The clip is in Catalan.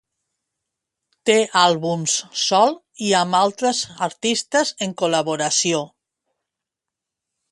Té àlbums sol i amb altres artistes en col·laboració.